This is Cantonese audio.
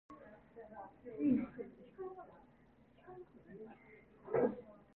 一係公一係字，永遠唔會中間